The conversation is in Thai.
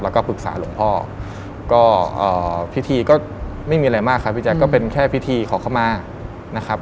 แล้วก็ปรึกษาหลวงพ่อก็พิธีก็ไม่มีอะไรมากครับพี่แจ๊คก็เป็นแค่พิธีขอเข้ามานะครับ